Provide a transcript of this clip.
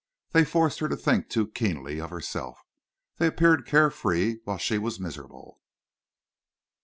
They forced her to think too keenly of herself. They appeared carefree while she was miserable.